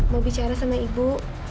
mau bicara sama ibu